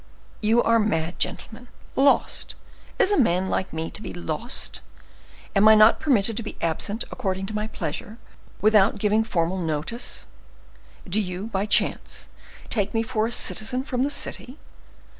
"You are mad, gentlemen. Lost! Is a man like me to be lost? Am I not permitted to be absent, according to my pleasure, without giving formal notice? Do you, by chance, take me for a citizen from the city?